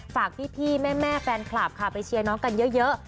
ฝากพี่แม่แฟนคลับค่ะไปเชียร์น้องกันเยอะ